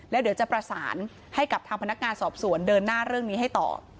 แล้วเดี๋ยวจะประสานให้กับทางพนักงานสอบสวนเดินหน้าเรื่องนี้ให้ต่อ